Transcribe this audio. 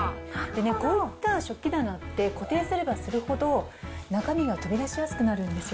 こういった食器棚って、固定すればするほど、中身が飛び出しやすくなるんですよ。